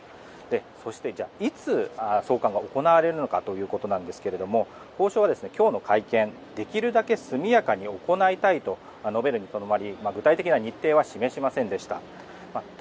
そして、いつ送還が行われるのかということですけども法相は今日の会見でできるだけ速やかに行いたいと述べるにとどまり具体的な日程は示しませんでした。